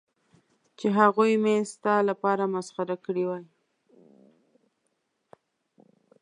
چې هغوی مې ستا لپاره مسخره کړې وای.